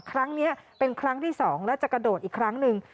ครั้งนี้เป็นครั้งที่๒แล้วจะกระโดดอีกครั้งหนึ่ง